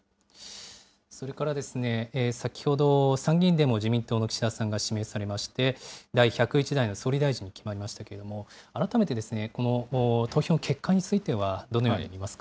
それから先ほど参議院でも自民党の岸田さんが指名されまして、第１０１代の総理大臣に決まりましたけれども、改めてですね、この投票の結果については、どのように見ますか。